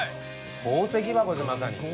宝石箱じゃんまさに。